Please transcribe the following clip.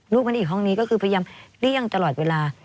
ไม่ได้อีกห้องนี้ก็คือพยายามเลี่ยงตลอดเวลา